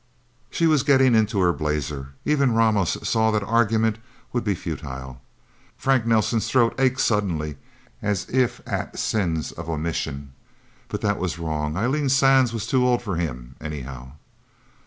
She was getting into her blazer. Even Ramos saw that arguments would be futile. Frank Nelsen's throat ached suddenly, as if at sins of omission. But that was wrong. Eileen Sands was too old for him, anyhow.